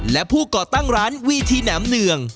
และผู้ก่อตั้งร้านวีทีแหนมเนือง